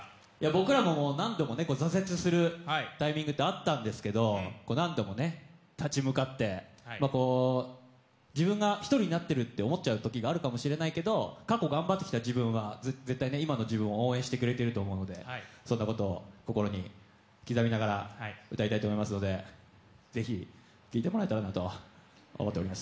僕らも何度も挫折するタイミングってあったんですけど何度も立ち向かって、自分が１人になっているって思っちゃうときがあるかもしれないけど、過去頑張ってきた自分は絶対、今の自分を応援してくれてると思うので、そんなことを心に刻みながら歌いたいと思いますのでぜひ聴いてもらえたらなと思ってます。